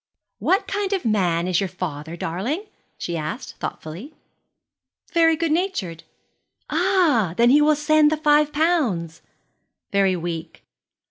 'What kind of man is your father, darling?' she asked, thoughtfully. 'Very good natured.' 'Ah! Then he will send the five pounds.' 'Very weak.'